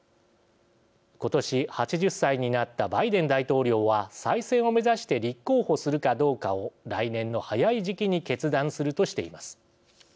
今年８０歳になったバイデン大統領は再選を目指して立候補するかどうかを来年の早い時期に決断するとしています。